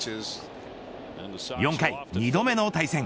４回２度目の対戦。